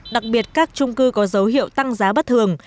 đặc biệt các trung cư có dấu hiệu tăng giá bất thường